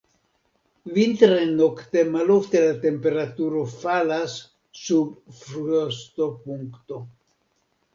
Vintre nokte malofte la temperaturo falas sub frostopunkto.